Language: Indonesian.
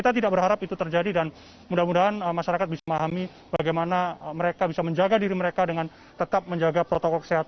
terima kasih pak